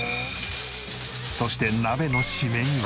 そして鍋のシメには。